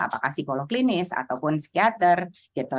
apakah psikolog klinis ataupun psikiater gitu